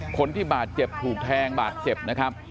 คนที่บาดเจ็บถูกแทงบาดเจ็บนะครับ